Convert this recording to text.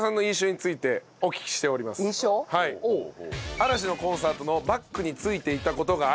嵐のコンサートのバックについていた事があり